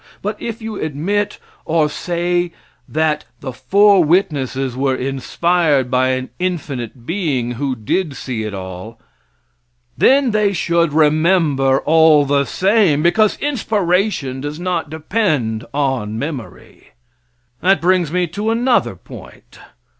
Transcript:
But if you admit or say that the four witnesses were inspired by an infinite being who did see it all, then they should remember all the same, because inspiration does not depend on memory. That brings me to another point.